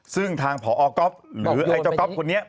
ซึ่งทางพอก๊อฟหรือไอ้เจ้าก๊อฟคนนี้